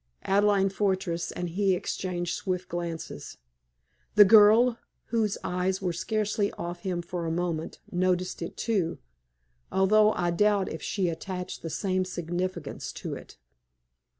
Adelaide Fortress and he exchanged swift glances. The girl, whose eyes were scarcely off him for a moment, noticed it too, although I doubt if she attached the same significance to it.